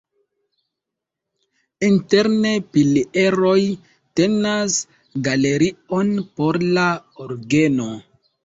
Interne pilieroj tenas galerion por la orgeno.